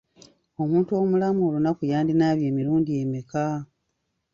Omuntu omulamu olunaku yandinaabye emirundi emeka?